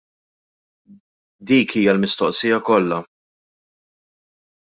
Dik hija l-mistoqsija kollha.